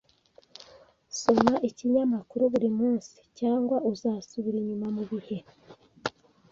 Soma ikinyamakuru buri munsi, cyangwa uzasubira inyuma mubihe